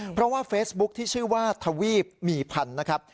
เพราะว่าเฟซบุ๊คที่ชื่อว่าทวีปมีพันธุ์นะครับ